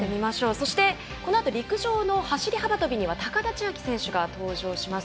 そして、このあと陸上の走り幅跳びには高田千明選手が登場します。